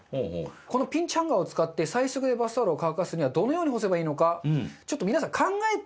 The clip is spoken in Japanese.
このピンチハンガーを使って最速でバスタオルを乾かすにはどのように干せばいいのかちょっと。